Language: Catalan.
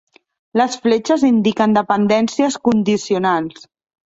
Les fletxes indiquen dependències condicionals.